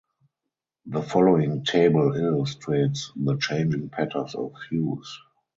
The following table illustrates the changing patterns of use.